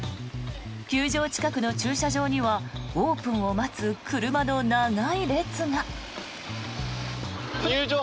球場近くの駐車場にはオープンを待つ車の長い列が。